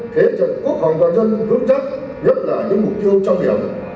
thế trận quốc hồng toàn dân vững chắc nhất là những mục tiêu trong hiệu